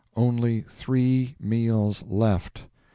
Only three meals left.